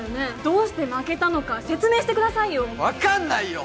どうして負けたのか説明してくださいよ分かんないよ！